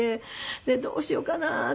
でどうしようかなって。